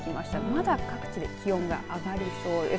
まだ各地で気温が上がりそうです。